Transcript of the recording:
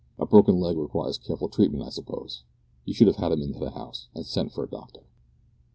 "A broken leg requires careful treatment, I suppose. You should have had him into the house, and sent for a doctor."